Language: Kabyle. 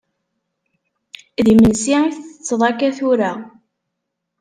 D imensi i tettetteḍ akka tura?